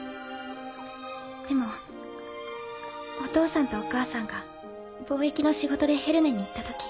でもお父さんとお母さんが貿易の仕事でヘルネに行った時。